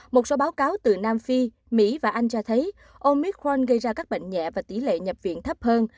một số báo cáo từ nam phi mỹ và anh cho thấy omid khoan gây ra các bệnh nhẹ và tỷ lệ nhập viện thấp hơn